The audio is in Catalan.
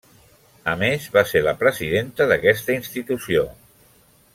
A més, va ser la presidenta d'aquesta institució.